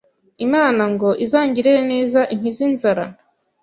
Imana ngo izangirire neza inkize inzara